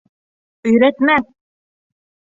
Өйрәтмә!